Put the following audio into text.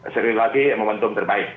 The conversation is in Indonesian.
sekali lagi momentum terbaik